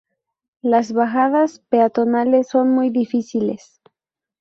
Las bajadas peatonales son muy difíciles.